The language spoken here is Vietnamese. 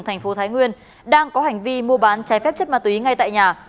thành phố thái nguyên đang có hành vi mua bán trái phép chất ma túy ngay tại nhà